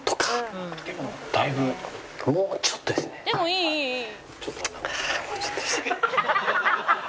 「でもいいいいいいいい」